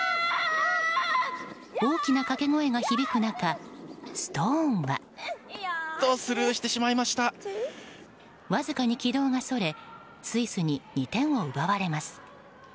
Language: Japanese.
大きな掛け声が響く中ストーンはわずかに軌道がそれてスイスに２点を奪われます。